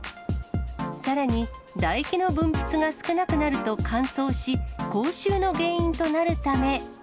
さらに唾液の分泌が少なくなると乾燥し、口臭の原因となるため。